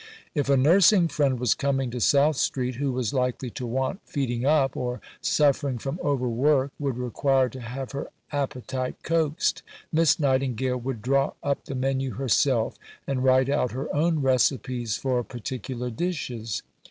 If a nursing friend was coming to South Street, who was likely to want "feeding up," or, suffering from overwork, would require to have her appetite coaxed, Miss Nightingale would draw up the menu herself, and write out her own recipes for particular dishes.